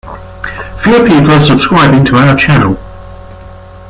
Fewer people are subscribing to our channel.